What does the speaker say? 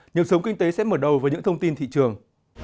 nhiệm sống kinh tế sẽ mở đầu với những thông tin thị trường